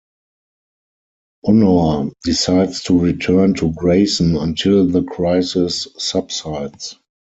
Honor decides to return to Grayson until the crisis subsides.